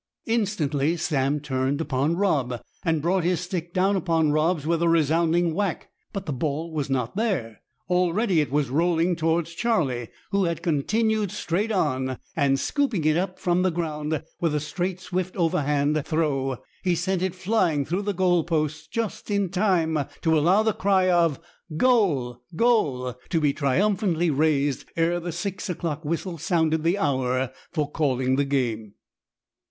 Instantly Sam turned upon Rob, and brought his stick down upon Rob's with a resounding whack. But the ball was not there. Already it was rolling towards Charlie, who had continued straight on, and scooping it up from the ground, with a straight, swift overhand throw he sent it flying through the goal posts just in time to allow the cry of "Goal! goal!" to be triumphantly raised ere the six o'clock whistle sounded the hour for calling the game.